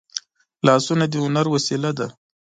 لاسونه د هنر وسیله ده